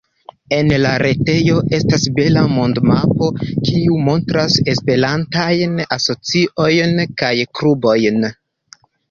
En la retejo estas bela mond-mapo, kiu montras Esperantajn asociojn kaj klubojn.